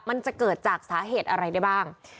มันจะเกิดจากสาเหตุอะไรได้บ้าง